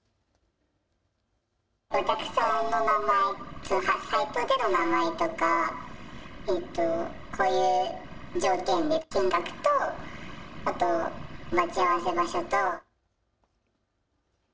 お客さんの名前、サイトでの名前とか、こういう条件で金額と、待ち合わせ場所と。